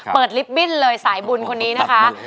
ลิฟตบิ้นเลยสายบุญคนนี้นะคะ